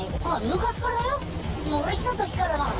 昔からだよ。